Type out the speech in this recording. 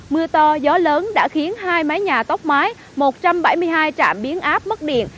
mưa to gió lớn đã khiến hai mái nhà tốc mái một trăm bảy mươi hai trạm biến áp mất điện